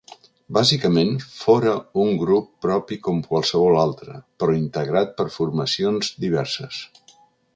Bàsicament, fóra un grup propi com qualsevol altre, però integrat per formacions diverses.